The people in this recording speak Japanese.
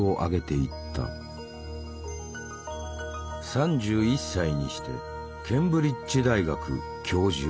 ３１歳にしてケンブリッジ大学教授。